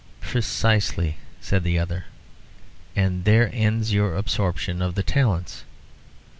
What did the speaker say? "Precisely," said the other; "and there ends your absorption of the talents.